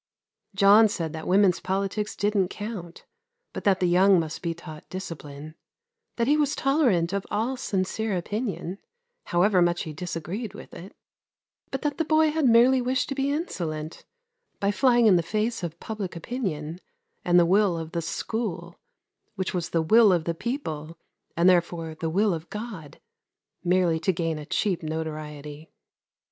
John said that women's politics didn't count; but that the young must be taught discipline; that he was tolerant of all sincere opinion, however much he disagreed with it; but that the boy had merely wished to be insolent, by flying in the face of public opinion and the will of the school, which was the will of the people, and therefore the will of God, merely to gain a cheap notoriety.